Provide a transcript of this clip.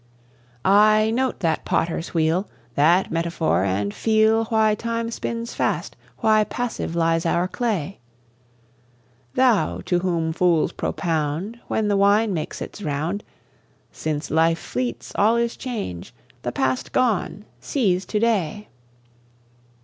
Ay, note that Potter's wheel, That metaphor! and feel Why time spins fast, why passive lies our clay, Thou, to whom fools propound, When the wine makes its round, "Since life fleets, all is change; the Past gone, seize to day!"